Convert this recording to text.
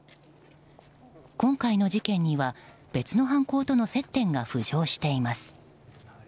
今回の事件には別の犯行との接点が浮上しています。